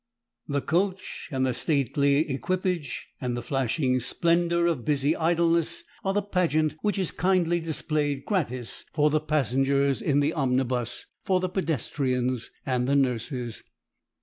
The coach and the stately equipage and the flashing splendor of busy idleness are the pageant which is kindly displayed gratis for the passengers in the omnibus, for the pedestrians and the nurses.